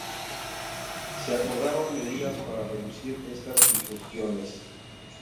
Se acordaron medidas para reducir estas incursiones.